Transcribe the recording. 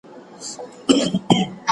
افغانانو خپل لوی مشر څنګه یاداوه؟